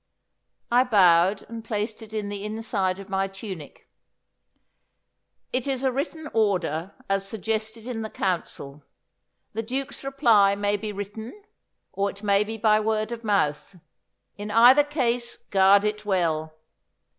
I bowed and placed it in the inside of my tunic. 'It is a written order as suggested in the council. The Duke's reply may be written, or it may be by word of mouth. In either case guard it well.